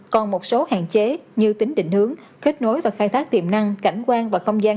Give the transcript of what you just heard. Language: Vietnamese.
còn một số hạn chế như tính định hướng kết nối và khai thác tiềm năng cảnh quan và không gian